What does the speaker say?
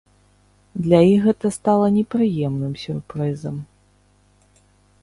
Для іх гэта стала непрыемным сюрпрызам.